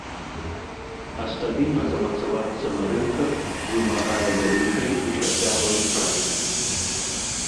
А стабільна замацавацца на рынках вымагае вялікай і працяглай працы.